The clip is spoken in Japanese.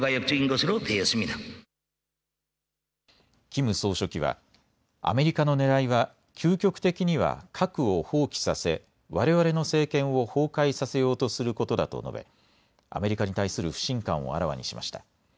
キム総書記はアメリカのねらいは究極的には核を放棄させ、われわれの政権を崩壊させようとすることだと述べアメリカに対する不信感をあらわにしました。